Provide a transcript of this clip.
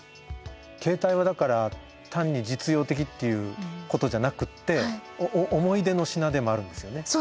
携帯はだから単に実用的っていうことじゃなくって思い出の品でもあるんですよね。